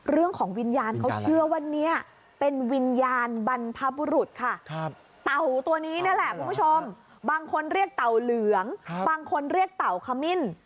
วิญญาณเขาเชื่อว่าเนี่ยเป็นวิญญาณบรรพบุรุษค่ะเต่าตัวนี้นั่นแหละคุณผู้ชมบางคนเรียกเต่าเหลืองบางคนเรียกเต่าขมิ้น